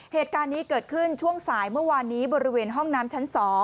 เหตุการณ์นี้เกิดขึ้นช่วงสายเมื่อวานนี้บริเวณห้องน้ำชั้น๒